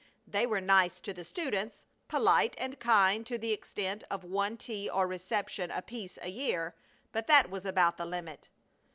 They were nice to the students, polite and kind to the extent of one tea or reception apiece a year, but that was about the limit.